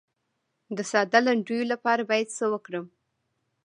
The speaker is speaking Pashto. د ساه د لنډیدو لپاره باید څه وکړم؟